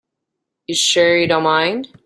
You're sure you don't mind?